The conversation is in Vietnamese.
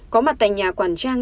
có mặt tại nhà quản trang